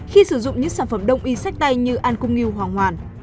khi sử dụng những sản phẩm đông y sách tay như an cung nghiêu hoàng hoàn